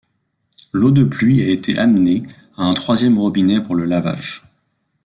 L'eau de pluie a été amenée à un troisième robinet pour le lavage.